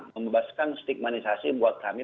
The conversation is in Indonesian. membebaskan stigmanisasi buat kami